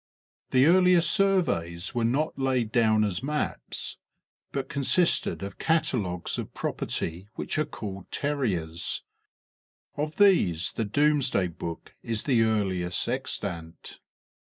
THE earliest surveys were not laid down as maps but consisted of catalogues of property which are called" terriers ;" of these the Domesday Book is the earliest extant.